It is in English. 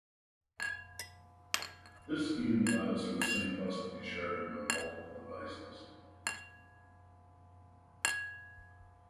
This scheme allows for the same bus to be shared among multiple devices.